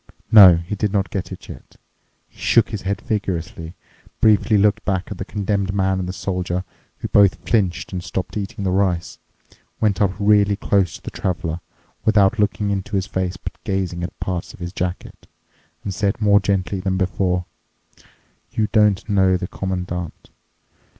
No, he did not yet get it. He shook his head vigorously, briefly looked back at the Condemned Man and the Soldier, who both flinched and stopped eating the rice, went up really close up to the Traveler, without looking into his face, but gazing at parts of his jacket, and said more gently than before: "You don't know the Commandant.